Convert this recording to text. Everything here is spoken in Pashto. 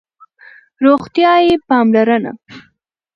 روغتیایی پاملرنه